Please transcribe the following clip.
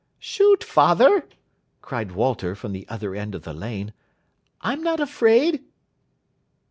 "Shoot, father!" cried Walter from the other end of the lane; "I'm not afraid."